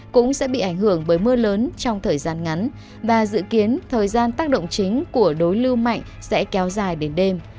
cũng sẽ bị ảnh hưởng bởi mưa lớn trong thời gian ngắn và dự kiến thời gian tác động chính của đối lưu mạnh sẽ kéo dài đến đêm